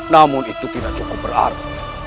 namun itu tidak cukup berarti